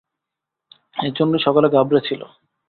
এজন্যেই সকালে ঘাবড়ে ছিল।